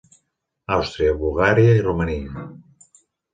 Àustria, Bulgària i Romania.